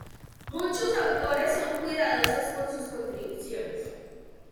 Muchos autores son cuidadosos con sus contribuciones.